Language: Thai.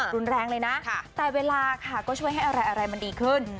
รุนแรงเลยนะแต่เวลาค่ะก็ช่วยให้อะไรมันดีขึ้น